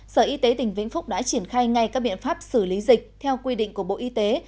sở y tế tỉnh vĩnh phúc đã triển khai ngay các biện pháp xử lý dịch theo quy định của bộ y tế